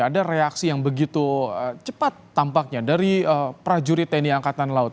ada reaksi yang begitu cepat tampaknya dari prajurit tni angkatan laut